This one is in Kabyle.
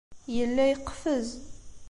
Yella yeqfez.